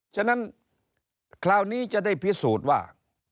ฉะนั้นคราวนี้จะได้พิสูจน์ว่า